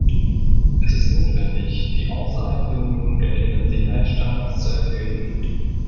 Es ist notwendig, die außerhalb der Union geltenden Sicherheitsstandards zu erhöhen.